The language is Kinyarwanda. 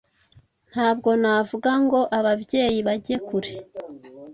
Ntabwo navuga ngo ababyeyi bajye kure